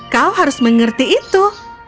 kau harus mengerti itu